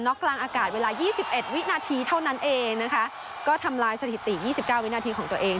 กลางอากาศเวลา๒๑วินาทีเท่านั้นเองนะคะก็ทำลายสถิติ๒๙วินาทีของตัวเอง